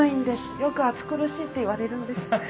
よく暑苦しいって言われるんです。